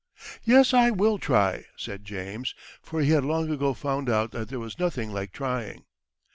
"Yes, I will try," said James, for he had long ago found out that there was nothing like trying.